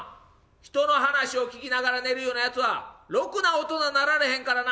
人の話を聞きながら寝るようなやつはろくな大人なられへんからな」。